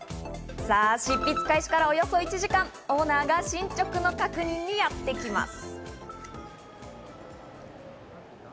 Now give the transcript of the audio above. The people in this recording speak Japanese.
執筆開始からおよそ１時間、オーナーが進捗の確認にやってきます。